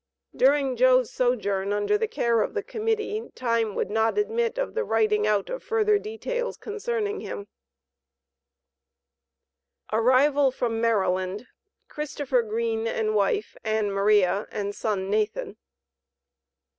During Joe's sojourn under the care of the Committee, time would not admit of the writing out of further details concerning him. ARRIVAL FROM MARYLAND. CHRISTOPHER GREEN AND WIFE, ANN MARIA, AND SON NATHAN.